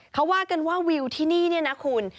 เขาว่ากันว่าวิวที่นี่เนี่ยนะคุณ